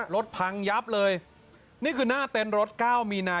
รถพังยับเลยนี่คือหน้าเต็นต์รถเก้ามีนา